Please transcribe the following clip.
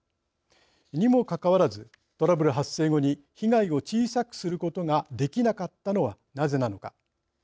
にもかかわらずトラブル発生後に被害を小さくすることができなかったのはなぜなのか。